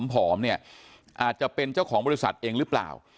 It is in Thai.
ผอมเนี่ยอาจจะเป็นเจ้าของบริษัทเองหรือเปล่า